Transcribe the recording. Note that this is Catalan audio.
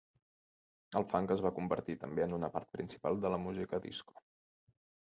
El funk es va convertir també en una part principal de la música disco.